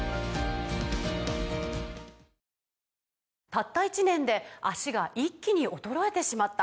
「たった１年で脚が一気に衰えてしまった」